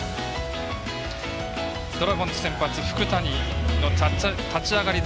ドラゴンズ先発福谷の立ち上がり。